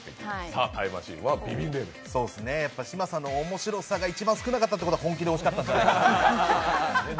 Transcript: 嶋佐の面白さが一番少なかったということは、本気でおいしかったんじゃないかな。